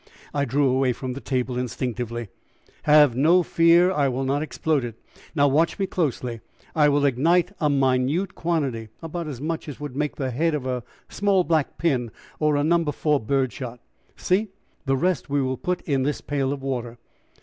I drew away from the table instinctively. "Have no fear, I will not explode it. Now watch me closely. I will ignite a minute quantity, about as much as would make the head of a small black pin or a No. 4 bird shot. See, the rest we will put in this pail of water.